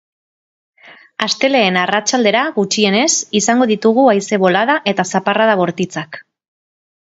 Astelehen arratsaldera, gutxienez, izango ditugu haize-bolada eta zaparrada bortitzak.